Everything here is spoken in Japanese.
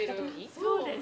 そうです。